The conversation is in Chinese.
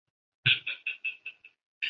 瓦唐下梅内特雷奥勒人口变化图示